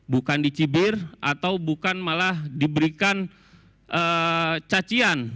bukan dicibir atau bukan malah diberikan cacian